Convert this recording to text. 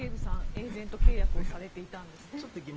エージェント契約されてたんですね。